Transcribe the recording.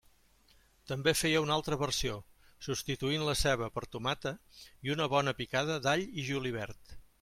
També feia una altra versió, substituint la ceba per tomata i una bona una picada d'all i julivert.